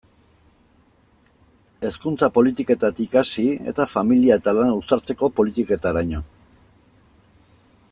Hezkuntza politiketatik hasi eta familia eta lana uztartzeko politiketaraino.